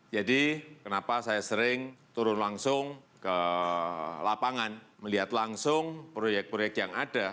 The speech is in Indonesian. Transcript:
jadi kenapa saya sering turun langsung ke lapangan melihat langsung proyek proyek yang ada